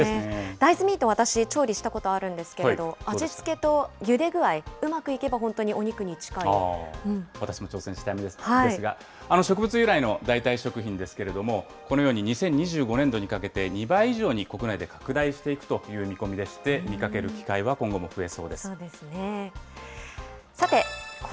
大豆ミート、私、調理したことあるんですけど、味付けとゆで具合、うまくいけば本当にお肉に私も挑戦したいんですが、植物由来の代替食品ですけれども、このように２０２５年度にかけて、２倍以上に国内で拡大していくという見込みでして、見かける機会そうですね。